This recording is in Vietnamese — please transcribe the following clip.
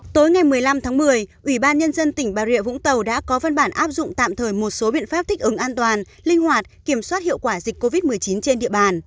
tối ngày một mươi năm tháng một mươi ủy ban nhân dân tỉnh bà rịa vũng tàu đã có văn bản áp dụng tạm thời một số biện pháp thích ứng an toàn linh hoạt kiểm soát hiệu quả dịch covid một mươi chín trên địa bàn